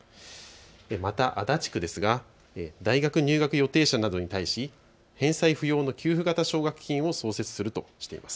また足立区ですが大学入学予定者などに対し返済不要の給付型奨学金を創設するとしています。